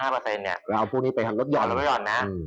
เราเอาพวกนี้ไปทางรถยอดนะครับ